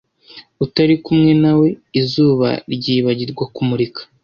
utari kumwe nawe, izuba ryibagirwa kumurika